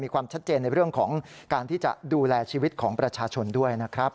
ความชัดเจนในเรื่องของการที่จะดูแลชีวิตของประชาชนด้วยนะครับ